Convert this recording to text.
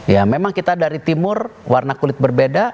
ya memang kita dari timur warna kulit berbeda